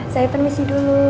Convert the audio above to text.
saya permisi dulu